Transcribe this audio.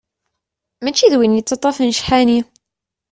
Mačči d win yettaṭṭafen ccḥani.